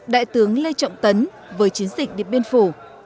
đại tướng lê trọng tấn với chiến dịch điện biên phủ